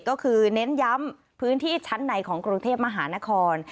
ก็คือเน้นย้ำพื้นที่ชั้นในของกรุงเทพมหานคร